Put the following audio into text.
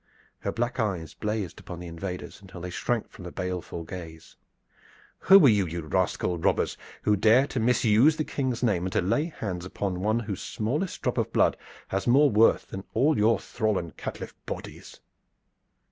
Her black eyes blazed upon the invaders until they shrank from that baleful gaze. "Who are you, you rascal robbers, who dare to misuse the King's name and to lay hands upon one whose smallest drop of blood has more worth than all your thrall and caitiff bodies?"